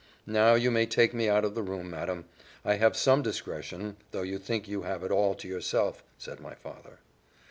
Now you may take me out of the room, madam. I have some discretion, though you think you have it all to yourself," said my father.